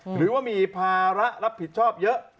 หรือว่ามีภาระรับผิดชอบเยอะ